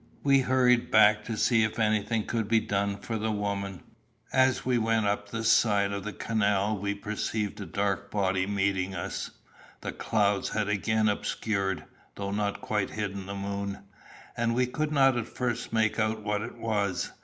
We hurried back to see if anything could be done for the woman. As we went up the side of the canal we perceived a dark body meeting us. The clouds had again obscured, though not quite hidden the moon, and we could not at first make out what it was.